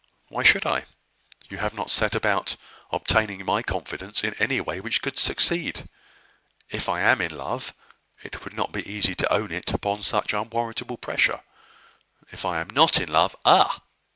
"Why should I? You have not set about obtaining my confidence in any way which could succeed. If I am in love, it would not be easy to own it upon such unwarrantable pressure. If I am not in love " "Ah!